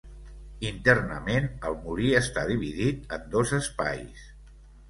Internament, el molí està dividit en dos espais.